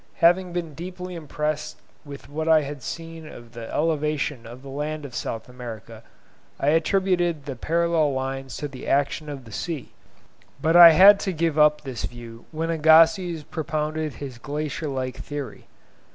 Having been deeply impressed with what I had seen of the elevation of the land of South America, I attributed the parallel lines to the action of the sea; but I had to give up this view when Agassiz propounded his glacier lake theory.